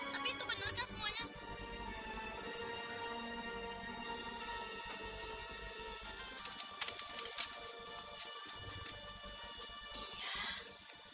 tapi itu bener bener